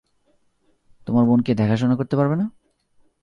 তোমার বোনকে দেখাশোনা করতে পারবে না?